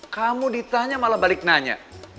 kamu ditanya malah balik nanya